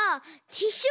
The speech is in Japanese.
ティッシュ